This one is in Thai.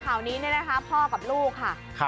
ข่าวนี้เนี่ยนะคะพ่อกับลูกค่ะ